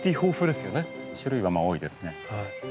種類はまあ多いですね。